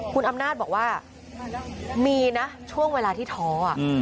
คุณอำนาจบอกว่ามีนะช่วงเวลาที่ท้อ